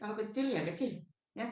kalau kecil ya kecil